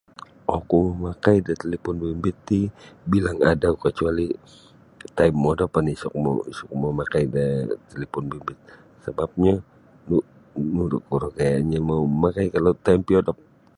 um Oku mamakai da talipon bimbit ti bilang adau kacuali time modop oni isa oku mou isa oku mou mamakai da talipun bimbit ni sabapnyo kur kur kuro gayanyo mamakai kalau time piodop